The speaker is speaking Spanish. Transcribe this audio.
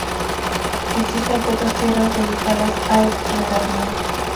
Existen pocas tierras dedicadas al regadío.